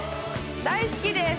大好きです